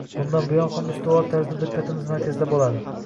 bundan buyon ham ustuvor tarzda diqqatimiz markazida bo‘ladi.